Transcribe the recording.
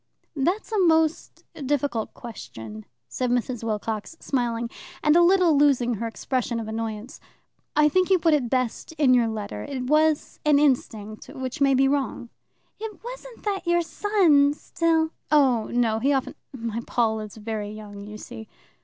"That's a most difficult question," said Mrs. Wilcox, smiling, and a little losing her expression of annoyance. "I think you put it best in your letter it was an instinct, which may be wrong." "It wasn't that your son still " "Oh no; he often my Paul is very young, you see."